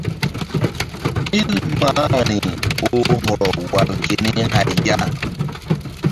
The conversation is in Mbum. Ɓil mahri oh hɔrɔ wal keni hay ya.